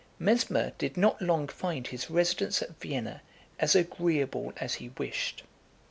Mesmer did not long find his residence at Vienna as agreeable as he wished.